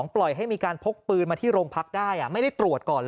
ปล่อยให้มีการพกปืนมาที่โรงพักได้ไม่ได้ตรวจก่อนเลย